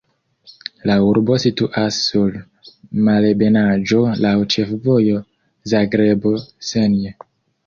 La urbo situas sur malebenaĵo, laŭ ĉefvojo Zagrebo-Senj.